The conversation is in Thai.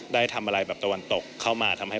ได้ทำอะไรแบบตะวันตกเข้ามาทำให้